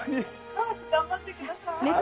頑張ってください。